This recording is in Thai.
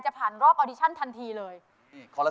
ช่วยฝังดินหรือกว่า